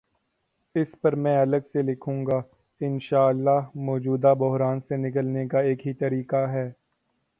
اس پرمیں الگ سے لکھوں گا، انشا اللہ مو جودہ بحران سے نکلنے کا ایک ہی طریقہ ہے۔